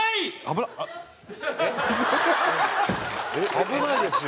危ないですよ。